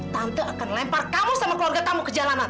tante akan lempar kamu sama keluarga kamu ke jalanan